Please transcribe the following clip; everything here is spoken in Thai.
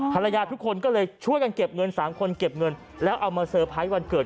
ภรรยาทุกคนก็เลยช่วยกันเก็บเงิน๓คนเก็บเงินแล้วเอามาเซอร์ไพรส์วันเกิด